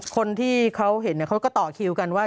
คนที่เขาเห็นเขาก็ต่อคิวกันว่า